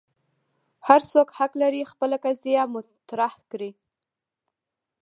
هر څوک حق لري خپل قضیه مطرح کړي.